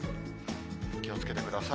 気をつけてください。